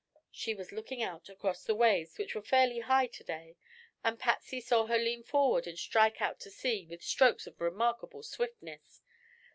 She was looking out across the waves, which were fairly high to day, and Patsy saw her lean forward and strike out to sea with strokes of remarkable swiftness.